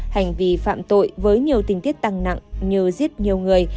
hành vi phạm tội với nhiều tình tiết tăng nặng như giết nhiều người